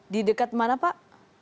di dekat mana pak